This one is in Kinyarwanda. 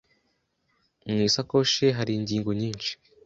Mu isakoshi ye hari ingingo nyinshi.